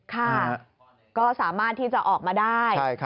ค่ะก็สามารถที่จะออกมาได้